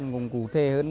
cũng cụ thể hơn